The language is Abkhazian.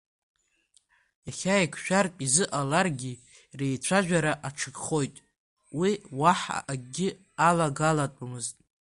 Иахьа еиқәшәартә изыҟаларгьы реицәажәара аҽакхоит, уи уаҳа акгьы алагалатәымызт.